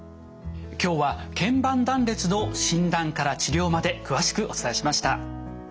今日は腱板断裂の診断から治療まで詳しくお伝えしました。